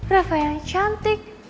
reva yang cantik